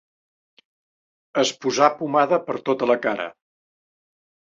Es posà pomada per tota la cara.